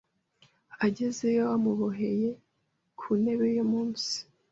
Agezeyo, bamuboheye ku ntebe yo munsi.